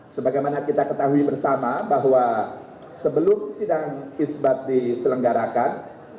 sebagaimana kita ketahui bersama bahwa sebelum sidang isbat diselenggarakan